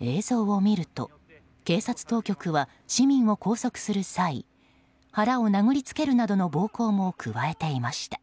映像を見ると、警察当局は市民を拘束する際腹を殴りつけるなどの暴行も加えていました。